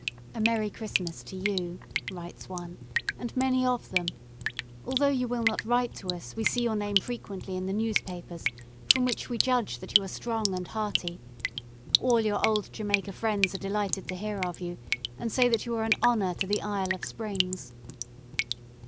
"A merry Christmas to you," writes one, "and many of them. Although you will not write to us, we see your name frequently in the newspapers, from which we judge that you are strong and hearty. All your old Jamaica friends are delighted to hear of you, and say that you are an honour to the Isle of Springs."